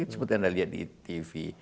seperti anda lihat di tv